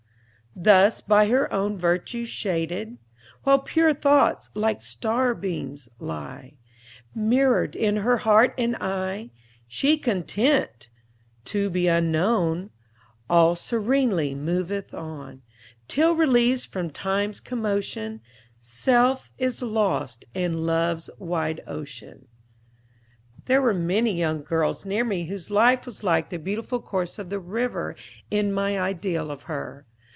"Thus, by her own virtues shaded, While pure thoughts, like starbeams, lie Mirrored in her heart and eye, She, content to be unknown, All serenely moveth on, Till, released from Time's commotion, Self is lost in Love's wide ocean." There was many a young girl near me whose life was like the beautiful course of the river in my ideal of her.